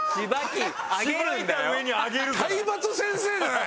体罰先生じゃない！